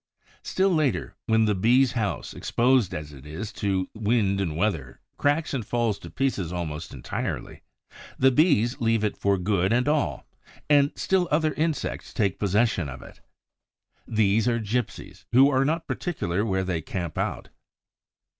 Still later, when the Bee's house, exposed as it is to wind and weather, cracks and falls to pieces almost entirely, the Bees leave it for good and all, and still other insects take possession of it. These are gypsies, who are not particular where they camp out.